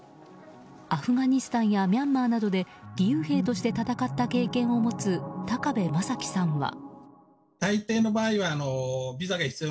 アフガニスタンやミャンマーなどで、義勇兵として戦った経験を持つ高部正樹さんは。